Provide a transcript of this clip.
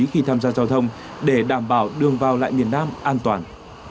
khi tham gia giao thông để đảm bảo đường vào lại miền nam an toàn